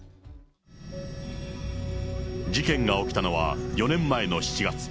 事件が起きたのは４年前の７月。